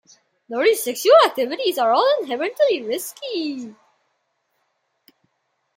Lurie's sexual activities are all inherently risky.